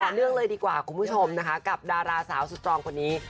เนื่องเลยดีกว่าคุณผู้ชมนะคะกับดาราสาวสุดตรองคนนี้